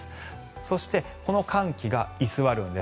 そしてこの寒気が居座るんです。